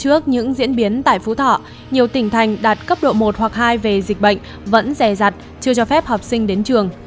trước những diễn biến tại phú thọ nhiều tỉnh thành đạt cấp độ một hoặc hai về dịch bệnh vẫn rè rặt chưa cho phép học sinh đến trường